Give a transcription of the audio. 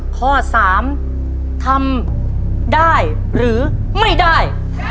พ่อสามทำได้หรือไม่ได้